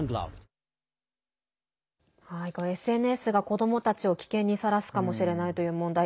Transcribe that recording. ＳＮＳが子どもたちを危険にさらすかもしれないという問題。